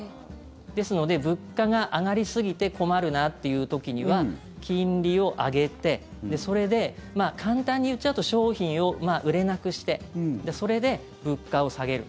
ですので物価が上がりすぎて困るなっていう時には金利を上げてそれで、簡単に言っちゃうと商品を売れなくしてそれで物価を下げる。